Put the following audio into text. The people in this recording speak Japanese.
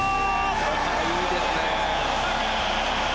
いいですね。